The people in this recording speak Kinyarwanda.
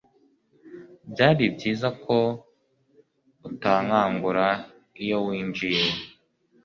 Byari byiza ko utankangura iyo winjiye